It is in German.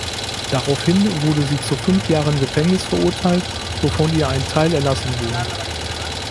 Daraufhin wurde sie zu fünf Jahren Gefängnis verurteilt, wovon ihr ein Teil erlassen wurde.